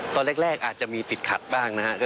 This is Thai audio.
ตอนแรกอาจจะมีติดขัดบ้างนะครับ